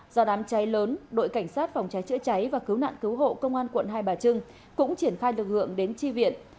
do đám cháy lớn đội cảnh sát phòng cháy chữa cháy và cứu nạn cứu hộ công an quận hai bà trưng cũng triển khai lực lượng đến tri viện